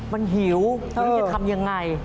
มันหิวจะทำยังไง